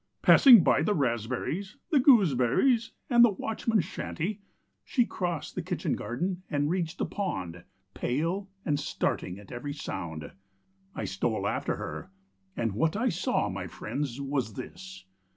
Passing by the raspberries, the gooseberries, and the watchman's shanty, she crossed the kitchen garden and reached the pond, pale, and starting at every sound. I stole after her, and what I saw, my friends, was this.